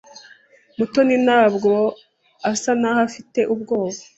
Mutoni ntabwo asa naho afite ubwoba.